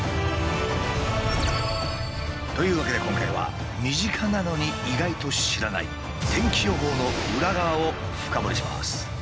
というわけで今回は身近なのに意外と知らない天気予報のウラ側を深掘りします。